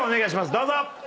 どうぞ！